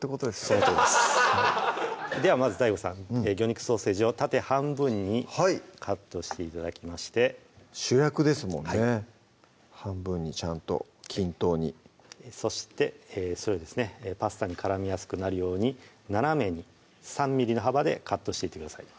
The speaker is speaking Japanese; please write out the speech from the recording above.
そのとおりですではまずＤＡＩＧＯさん魚肉ソーセージを縦半分にカットして頂きまして主役ですもんね半分にちゃんと均等にそしてパスタに絡みやすくなるように斜めに３ｍｍの幅でカットしていってください